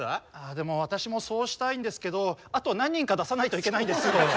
でも私もそうしたいんですけどあと何人か出さないといけないんですよ。